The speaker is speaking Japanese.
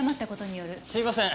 すみません！